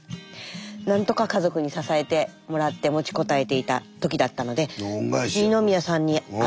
何とか家族に支えてもらって持ちこたえていた時だったのでほんとですか！